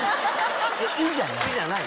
「い」じゃない？